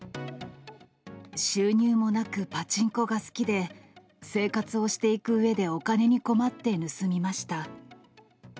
収入もなくパチンコが好きで、生活をしていくうえでお金に困って盗みました。